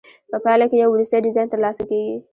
په پایله کې یو وروستی ډیزاین ترلاسه کیږي.